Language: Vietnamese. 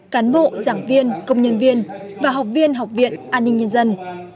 cán bộ giảng viên công nhân viên và học viên học viện an ninh nhân dân